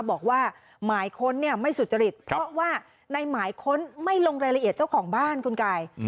บอกว่าหมายค้นเนี่ยไม่สุจริตเพราะว่าในหมายค้นไม่ลงรายละเอียดเจ้าของบ้านคุณกาย